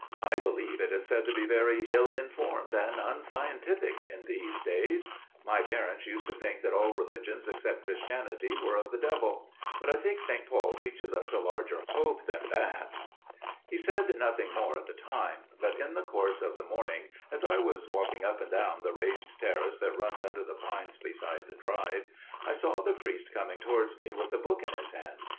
I believe it is said to be very ill informed and unscientific in these days. My parents used to think that all religions except Christianity were of the devil. But I think St. Paul teaches us a larger hope than that." He said nothing more at the time; but in the course of the morning, as I was walking up and down the raised terrace that runs under the pines beside the drive, I saw the priest coming towards me with a book in his hand.